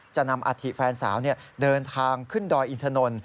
จะนำอาธิแฟนสาวเดินทางขึ้นดอยอินทนนท